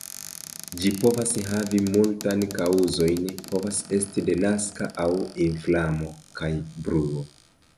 Ĝi povas havi multan kaŭzojn, povas esti denaska aŭ inflamo kaj bruo.